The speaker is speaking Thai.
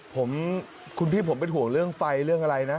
ผมคุณพี่ผมเป็นห่วงเรื่องไฟเรื่องอะไรนะ